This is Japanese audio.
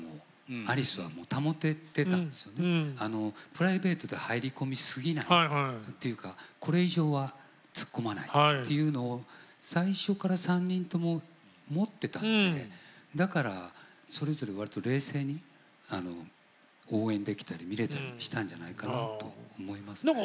プライベートで入り込みすぎないというかこれ以上は突っ込まないというのを最初から３人とも持ってたんでだからそれぞれわりと冷静に応援できたり見れたりしたんじゃないかなと思いますね。